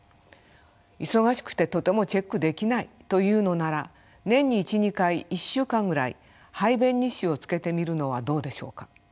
忙しくてとてもチェックできないというのなら年に１２回１週間ぐらい排便日誌をつけてみるのはどうでしょうか。